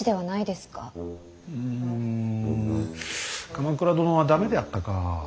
うん鎌倉殿は駄目であったか。